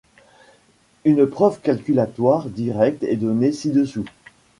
Une preuve calculatoire directe est donnée ci-dessous.